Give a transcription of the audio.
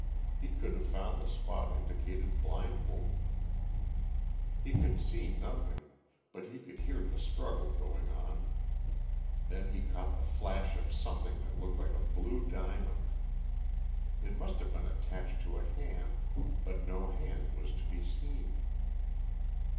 He could have found the spot indicated blindfolded. He could see nothing, but he could hear the struggle going on; then he caught the flash of something that looked like a blue diamond. It must have been attached to a hand, but no hand was to be seen.